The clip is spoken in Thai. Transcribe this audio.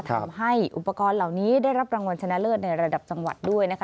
ทำให้อุปกรณ์เหล่านี้ได้รับรางวัลชนะเลิศในระดับจังหวัดด้วยนะคะ